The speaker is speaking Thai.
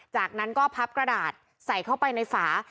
จากนั้นก็พับกระดาษใส่เข้าไปในฝา